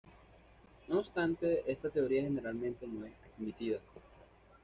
No obstante, esta teoría, generalmente, no es admitida.